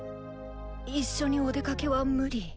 一緒にお出かけは無理。